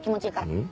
うん？